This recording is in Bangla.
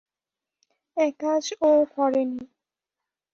একাজ ও করেনি।